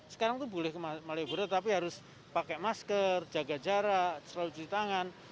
sekarang itu boleh ke malioboro tapi harus pakai masker jaga jarak selalu cuci tangan